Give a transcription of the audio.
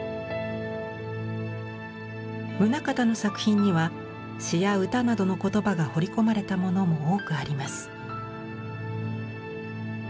棟方の作品には詩や歌などの言葉が彫り込まれたものも多くあります。